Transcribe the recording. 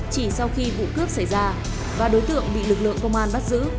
chỉ sau khi vụ cướp xảy ra ba đối tượng bị lực lượng công an bắt giữ